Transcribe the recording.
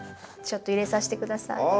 ちょっと入れさして下さい。